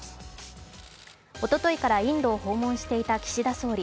おとといからインドを訪問していた岸田総理。